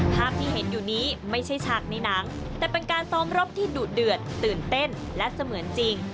ภาพที่เห็นอยู่นี้ไม่ใช่ฉากในหนังแต่เป็นการซ้อมรบที่ดุเดือดตื่นเต้นและเสมือนจริง